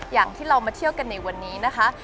อย่างที่เรามาเที่ยวกันในวันนี้นะคะ